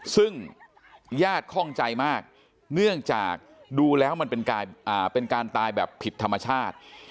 ซึ่งญาติคล่องใจมากเนื่องจากดูแล้วมันเป็นการตายแบบผิดธรรมชาติ